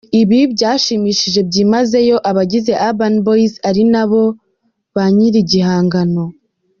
Ibi byashimishije byimazeyo abagize Urban Boyz ari nabo ba nyir’igihangano.